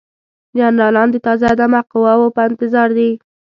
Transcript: جنرالان د تازه دمه قواوو په انتظار دي.